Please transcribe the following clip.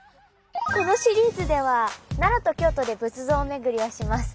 このシリーズでは奈良と京都で仏像巡りをします。